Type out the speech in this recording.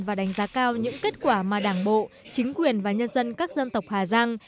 và đánh giá cao những kết quả mà đảng bộ chính quyền và nhân dân các dân tộc hà giang